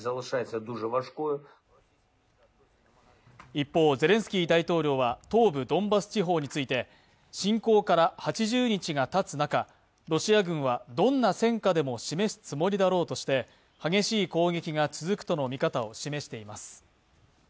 一方、ゼレンスキー大統領は東部ドンバス地方について、侵攻から８０日がたつ中、ロシア軍はどんな戦果でも示すつもりだろうとして激しい攻撃が続くとの見方を示しています。